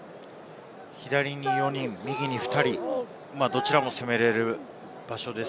左に４人、右に２人、どちらも攻められる場所です。